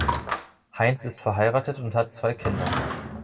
Heinz ist verheiratet und hat zwei Kinder.